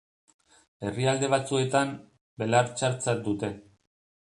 Herrialde batzuetan, belar txartzat dute.